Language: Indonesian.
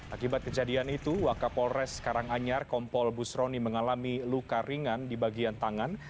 akibat kejadian itu wakapolres karanganyar kompol busroni mengalami luka ringan di bagian tangan